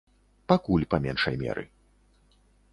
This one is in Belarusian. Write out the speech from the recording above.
Пакуль па меншай меры.